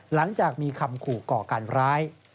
หลังจากมีคำขู่ก่อการร้าย